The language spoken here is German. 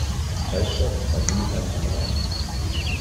Kreisstadt war Mülheim am Rhein.